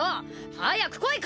早く来い薫！